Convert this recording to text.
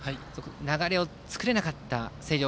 流れを作れなかった星稜。